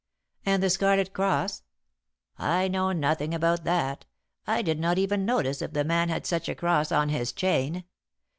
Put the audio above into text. "And the Scarlet Cross?" "I know nothing about that. I did not even notice if the man had such a cross on his chain.